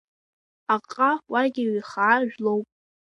Аҟҟа уагьы еиҩхаа жәлоуп.